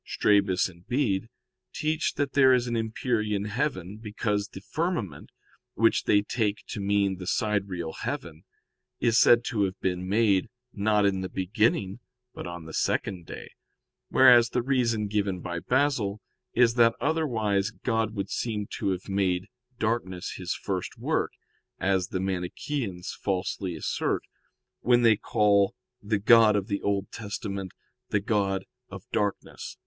Strabus and Bede teach that there is an empyrean heaven, because the firmament, which they take to mean the sidereal heaven, is said to have been made, not in the beginning, but on the second day: whereas the reason given by Basil is that otherwise God would seem to have made darkness His first work, as the Manicheans falsely assert, when they call the God of the Old Testament the God of darkness.